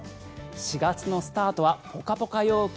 ４月のスタートはポカポカ陽気。